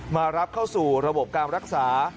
มารับเข้าสู่ระบบการรักษา